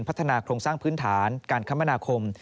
พัฒนาโครงสร้างพื้นฐานการคมนาคม